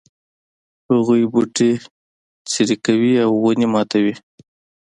هغوی بوټي څیري کوي او ونې ماتوي